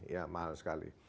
ya mahal sekali